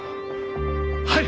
はい！